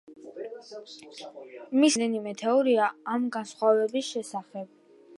მისი აზრით, არსებობს რემდენიმე თეორია ამ განსხვავების შესახებ.